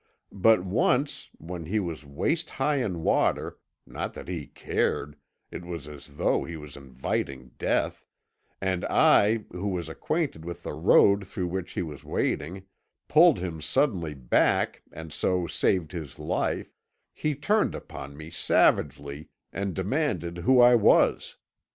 But once, when he was waist high in water not that he cared, it was as though he was inviting death and I, who was acquainted with the road through which he was wading, pulled him suddenly back and so saved his life, he turned upon me savagely, and demanded who I was.